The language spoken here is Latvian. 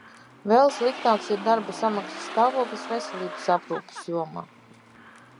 Vēl sliktāks ir darba samaksas stāvoklis veselības aprūpes jomā.